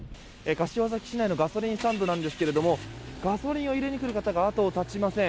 柏崎市内のガソリンスタンドなんですがガソリンを入れに来る方が後を絶ちません。